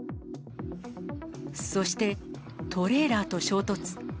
そして、トレーラーと衝突。